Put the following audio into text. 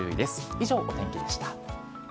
以上、お天気でした。